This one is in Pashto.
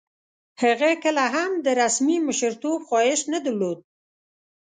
هغه کله هم د رسمي مشرتوب خواهیش نه درلود.